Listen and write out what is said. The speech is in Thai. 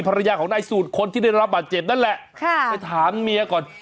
ภรรยาของนายสูตรคนที่ได้รับบาดเจ็บนั่นแหละค่ะไปถามเมียก่อน